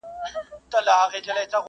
او له خلکو څخه پټه ساتل کيږي،